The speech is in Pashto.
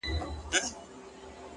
زه څوک لرمه،